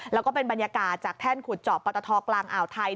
แล้วก็เป็นบรรยากาศจากแท่นขุดเจาะปตทกลางอ่าวไทย